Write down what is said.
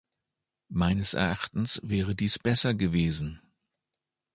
Meines Erachtens wäre dies besser gewesen.